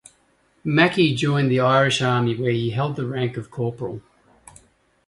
Mackey joined the Irish Army where he held the rank of corporal.